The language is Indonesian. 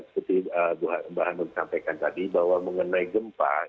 seperti bahan yang saya sampaikan tadi bahwa mengenai gempa